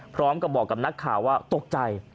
พร้อมกับบอกกับนักข่าวว่าตกใจ